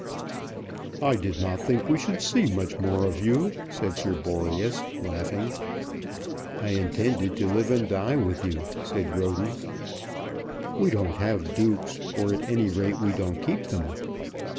"I did not think we should see much more of you," said Sir Boreas, laughing. "I intended to live and die with you," said Roden. "We don't have dukes; or at any rate we don't keep them.